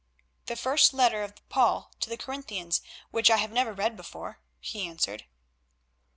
"The first letter of Paul to the Corinthians, which I have never read before," he answered.